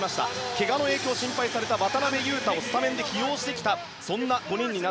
けがの影響が心配された渡邊雄太をスタメンで起用してきたそんな５人です。